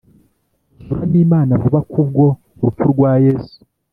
Uzura n'lmana vuba Kubwo urupfu rwa Yesu :